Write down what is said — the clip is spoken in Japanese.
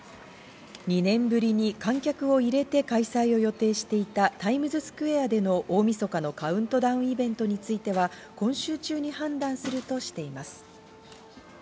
２年ぶりに観客を入れて開催を予定していたタイムズスクエアでの大みそかのカウントダウンイベントについては、今週中に判断するとしています。